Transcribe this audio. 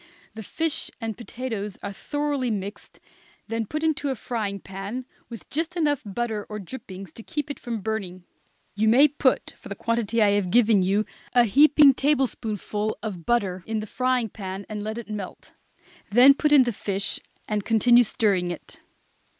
The fish and potatoes are thoroughly mixed, then put into a frying pan, with just enough butter or drippings to keep it from burning. You may put, for the quantity I have given you, a heaping tablespoonful of butter in the frying pan, and let it melt; then put in the fish, and continue stirring it.